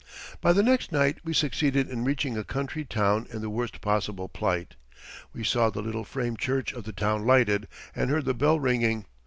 By the next night we succeeded in reaching a country town in the worst possible plight. We saw the little frame church of the town lighted and heard the bell ringing.